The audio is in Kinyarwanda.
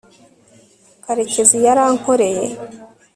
karekezi yarankoreye